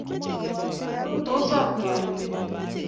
tot osom toretet